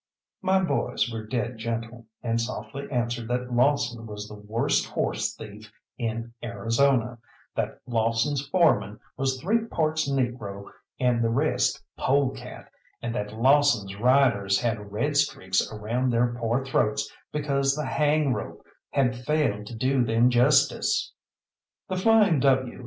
My boys were dead gentle, and softly answered that Lawson was the worst horse thief in Arizona; that Lawson's foreman was three parts negro and the rest polecat, and that Lawson's riders had red streaks around their poor throats because the hang rope had failed to do them justice. The Flying W.